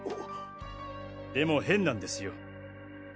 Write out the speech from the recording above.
でも変なんですよ。